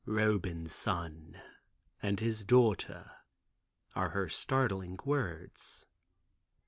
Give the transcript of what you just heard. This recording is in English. "Roban's son, and his daughter," are her startling words.